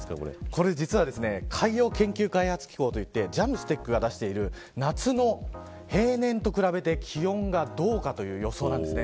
これは海洋研究開発機構ＪＡＭＳＴＥＣが出している夏の平年と比べて気温がどうかという予想なんです。